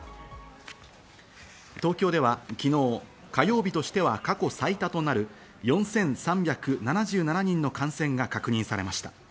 東京では昨日、火曜日としては過去最多となる４３７７人の感染が確認されました。